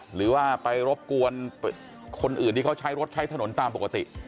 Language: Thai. หรือว่าไปรบกวนคนอื่นที่เขาใช้รถใช้ถนนตามปกติ